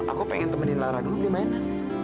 aku pengen temenin lara dulu gimana